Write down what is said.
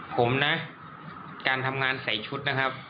ผมนะการทำงานใส่ชุดนะครับ